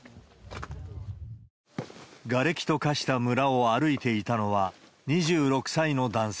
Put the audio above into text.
がれきと化した村を歩いていたのは、２６歳の男性。